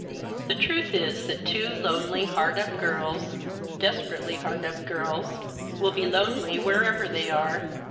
The truth is that two lonely, hard up girls desperately hard up girls will be lonely wherever they are.